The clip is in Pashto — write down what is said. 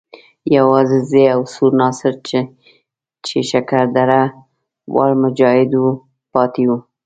یوازې زه او سور ناصر چې شکر درده وال مجاهد وو پاتې وو.